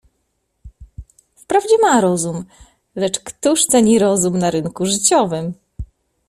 "Wprawdzie ma rozum, lecz któż ceni rozum na rynku życiowym!"